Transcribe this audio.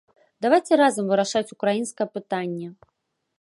Давайце разам вырашаць украінскае пытанне.